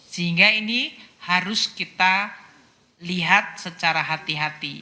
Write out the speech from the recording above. sehingga ini harus kita lihat secara hati hati